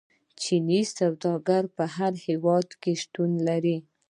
چیني سوداګر په هر هیواد کې شتون لري.